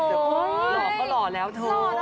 โอ้โฮหล่อก็หล่อแล้วโท